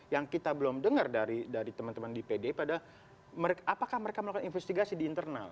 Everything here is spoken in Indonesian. yang kita belum dengar dari teman teman di pd pada apakah mereka melakukan investigasi di internal